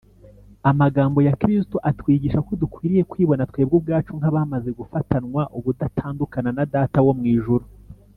Amagambo ya Kristo atwigisha ko dukwiriye kwibona twebwe ubwacu nk’abamaze gufatanywa ubudatandukana na Data wo mu ijuru